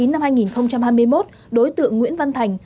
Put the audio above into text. năm hai nghìn hai mươi một đối tượng nguyễn văn thành